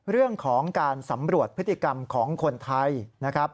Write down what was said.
เรื่องของการสำรวจพฤติกรรมของคนไทยนะครับ